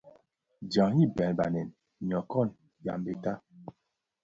Ndhañ di Benèn, nyokon, yambette.